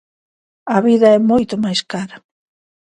A vida é moito máis cara.